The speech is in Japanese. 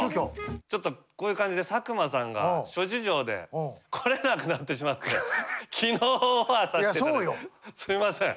ちょっとこういう感じで佐久間さんが諸事情で来れなくなってしまって昨日オファーされたすいません。